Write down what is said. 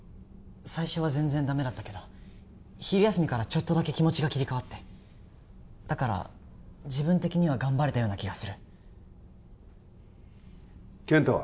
最初は全然ダメだったけど昼休みからちょっとだけ気持ちが切り替わってだから自分的には頑張れたような気がする健太は？